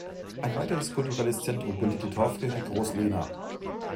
Ein weiteres kulturelles Zentrum bildet die Dorfkirche Großlehna.